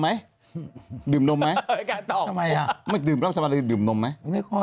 ไม่ดืมได้มันจะดื่มราคาร้ายราคาร้ายดื่มนมไหม